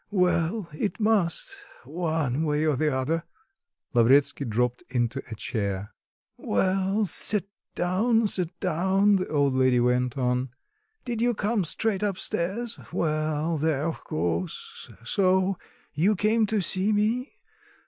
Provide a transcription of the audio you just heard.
Well, it must... one way or another." Lavretsky dropped into a chair. "Well, sit down, sit down," the old lady went on. "Did you come straight up stairs? Well, there, of course. So... you came to see me?